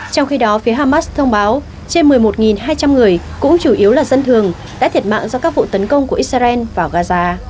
trong khi đó phía hamas thông báo trên một mươi một hai trăm linh người cũng chủ yếu là dân thường đã thiệt mạng do các vụ tấn công của israel vào gaza